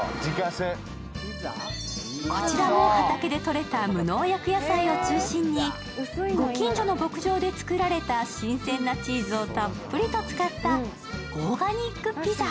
こちらも畑でとれた無農薬野菜を中心にご近所の牧場で作られた新鮮なチーズをたっぷりと使ったオーガニックピザ。